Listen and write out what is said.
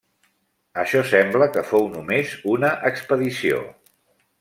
Això sembla que fou només una expedició.